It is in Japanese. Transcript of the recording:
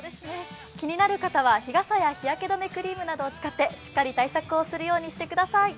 気になる方は日傘や日焼け止めクリームなどを使ってしっかり対策をするようにしてください。